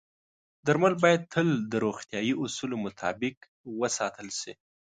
درمل باید تل د روغتیايي اصولو مطابق وساتل شي.